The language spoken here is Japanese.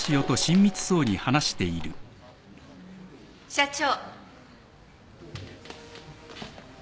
社長。